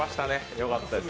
よかったです。